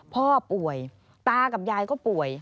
พ่อป่วยตากับยายก็ป่วย